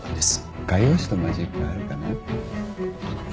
画用紙とマジックあるかな？